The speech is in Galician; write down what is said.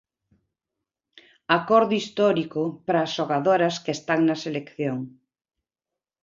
Acordo histórico para as xogadoras que están na selección.